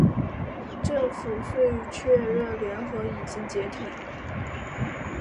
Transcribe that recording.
政府遂确认联合已经解体。